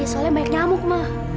soalnya banyak nyamuk ma